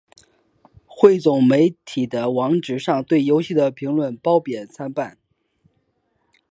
汇总媒体的网址上对游戏的评论褒贬参半。